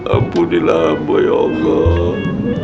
ampunilah hamba ya allah